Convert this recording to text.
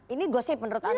ini gosip menurut anda